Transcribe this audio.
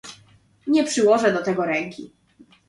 Nie przyłożę do tego ręki